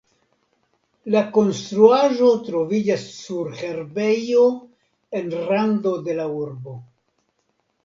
La konstruaĵo troviĝas sur herbejo en rando de la urbo.